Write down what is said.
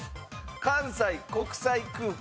関西国際空港。